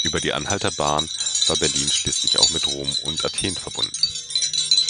Über die Anhalter Bahn war Berlin schließlich auch mit Rom und Athen verbunden.